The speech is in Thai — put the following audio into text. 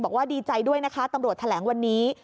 บอกว่าดีใจด้วยนะคะตำรวจแถลงวันนี้